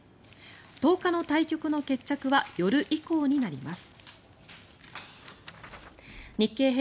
１０日の対局の決着は夜以降になります。